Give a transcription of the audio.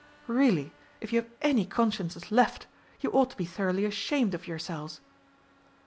Really, if you have any consciences left you ought to be thoroughly ashamed of yourselves!"